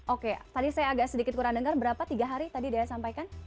oke tadi saya agak sedikit kurang dengar berapa tiga hari tadi daya sampaikan